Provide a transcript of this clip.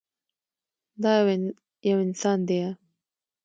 دا يو انسان ديه.